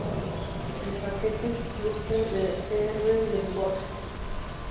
El paquete clúster de R-lenguaje